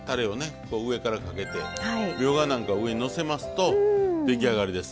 上からかけてみょうがなんかを上にのせますと出来上がりです。